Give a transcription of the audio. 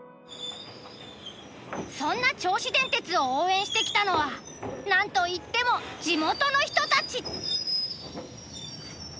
そんな銚子電鉄を応援してきたのはなんといっても地元の人たち！